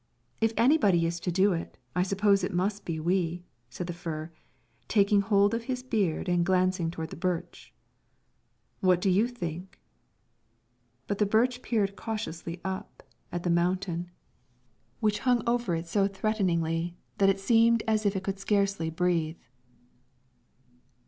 "If anybody is to do it, I suppose it must be we," said the fir, taking hold of its beard and glancing toward the birch. "What do you think?" But the birch peered cautiously up, at the mountain, which hung over it so threateningly that it seemed as if it could scarcely breathe.